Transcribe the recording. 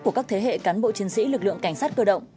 của các thế hệ cán bộ chiến sĩ lực lượng cảnh sát cơ động